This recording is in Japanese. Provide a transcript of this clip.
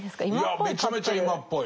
いやめちゃめちゃ今っぽい。